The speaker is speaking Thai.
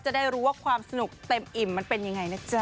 จะได้รู้ว่าความสนุกเต็มอิ่มมันเป็นยังไงนะจ๊ะ